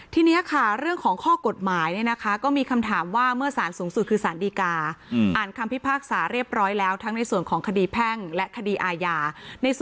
ทีนี้ค่ะเรื่องของข้อกฎหมายเนี่ยนะคะก็มีคำถามว่าเมื่อสารสูงสุดคือสารดีกาอ่านคำพิพากษาเรียบร้อยแล้วทั้งในส่วนของคดีแพ่งและคดีอาญา